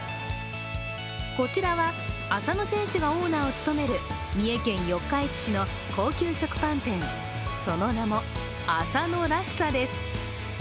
こちらは浅野選手がオーナーを務める三重県四日市市の高級食パン店、その名も「朝のらしさ」です。